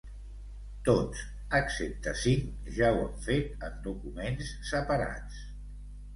Tots, excepte cinc, ja ho han fet en documents separats.